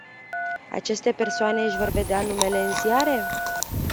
Aceste persoane își vor vedea numele în ziare?